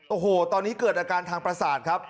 โอ้โหตอนนี้เกิดอาการทางประสาทครับ